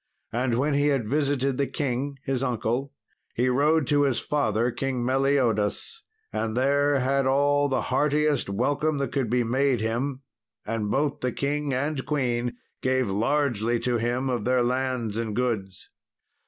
And when he had visited the king his uncle, he rode to his father, King Meliodas, and there had all the heartiest welcome that could be made him. And both the king and queen gave largely to him of their lands and goods.